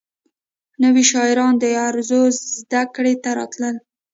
نوي شاعران د عروضو زدکړې ته راتلل.